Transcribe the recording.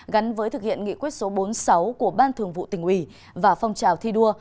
gắn với thực hiện nghị quyết số bốn mươi sáu của ban thường vụ tỉnh ủy và phong trào thi đua